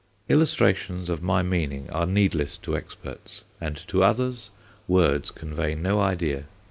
Illustrations of my meaning are needless to experts, and to others words convey no idea.